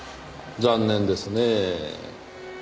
残念ですねぇ。